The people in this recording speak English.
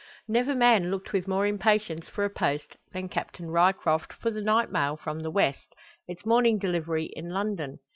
Never man looked with more impatience for a post, than Captain Ryecroft for the night mail from the West, its morning delivery in London.